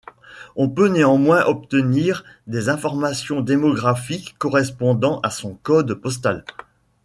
On peut néanmoins obtenir des informations démographiques correspondant à son code postal.